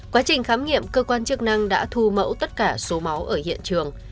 quá trình khám nghiệm cơ quan chức năng đã thu mẫu tất cả số máu ở hiện trường